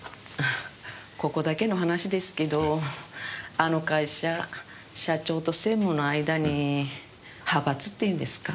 ここだけの話ですけどあの会社社長と専務の間に派閥っていうんですか？